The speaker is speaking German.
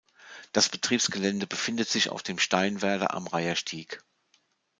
Das Betriebsgelände befindet sich auf dem Steinwerder am Reiherstieg.